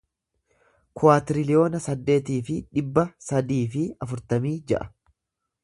kuwaatiriliyoona saddeetii fi dhibba sadii fi afurtamii ja'a